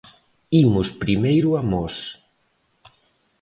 Imos primeiro a Mos.